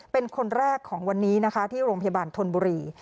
เป็นคนแรกของวันนี้นะคะที่โรงพยาบาลธนบุรี